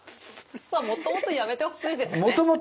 まあもともとやめてほしいですね。